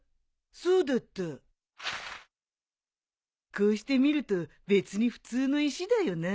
こうして見ると別に普通の石だよな。